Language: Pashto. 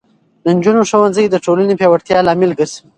د نجونو ښوونځی د ټولنې پیاوړتیا لامل ګرځي.